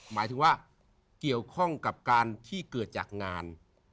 หมายถึงว่าเกี่ยวข้องกับการที่เกิดจากงาน